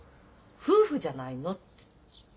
夫婦じゃないの」って。